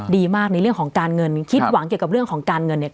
ดีมากในเรื่องของการเงินคิดหวังเกี่ยวกับเรื่องของการเงินเนี่ย